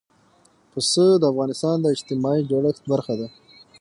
پسه د افغانستان د اجتماعي جوړښت برخه ده.